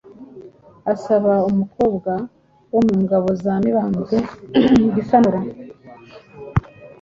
asaba umukobwa wo mu ngabo za Mibambwe Gisanura